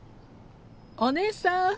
お姉さん。